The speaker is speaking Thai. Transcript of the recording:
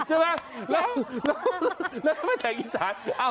แล้วถ้าไปแต่งอีสาน